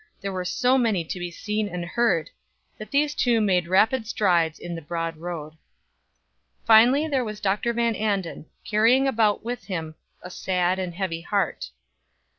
there were so many to be seen and heard, that these two made rapid strides in the broad road. Finally, there was Dr. Van Anden, carrying about with him a sad and heavy heart.